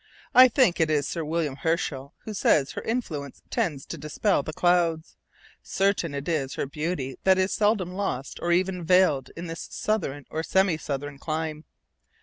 I think it is Sir William Herschel who says her influence tends to dispel the clouds. Certain it is her beauty is seldom lost or even veiled in this southern or semi southern clime.